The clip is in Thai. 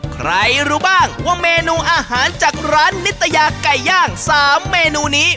ใครรู้บ้างว่าเมนูอาหารจากร้านนิตยาไก่ย่าง๓เมนูนี้